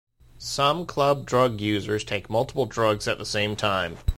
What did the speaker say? Some club drug users take multiple drugs at the same time.